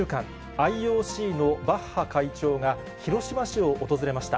ＩＯＣのバッハ会長が、広島市を訪れました。